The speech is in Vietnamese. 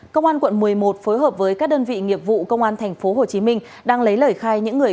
công an quận một mươi một phối hợp với các đơn vị nghiệp vụ công an tp hcm đang lấy lời khai những người